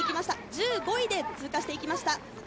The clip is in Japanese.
１５位で通過していきました。